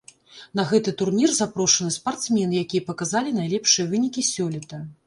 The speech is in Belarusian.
На гэты турнір запрошаны спартсмены, якія паказалі найлепшыя вынікі сёлета.